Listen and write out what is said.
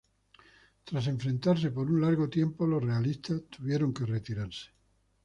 Tras enfrentarse por un largo tiempo los realistas tuvieron que retirarse.